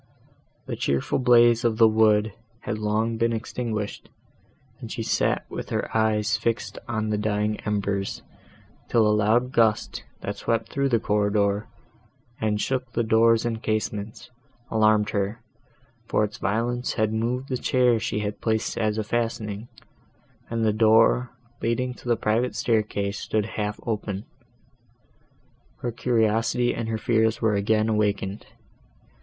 The cheerful blaze of the wood had long been extinguished, and she sat with her eyes fixed on the dying embers, till a loud gust, that swept through the corridor, and shook the doors and casements, alarmed her, for its violence had moved the chair she had placed as a fastening, and the door, leading to the private staircase stood half open. Her curiosity and her fears were again awakened.